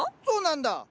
そうなんだ。